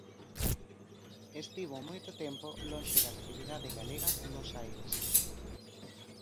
Estivo moito tempo lonxe da actividade galega en Bos Aires.